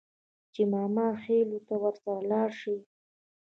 چې ماماخېلو ته ورسره لاړه شي.